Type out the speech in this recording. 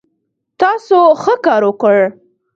تاسو ښه کار وکړ